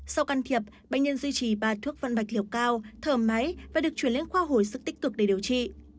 sau can thiệp bệnh nhân duy trì ba thuốc văn bạch liều cao thở máy và được chuyển lên khoa hồi sức tích cực để điều trị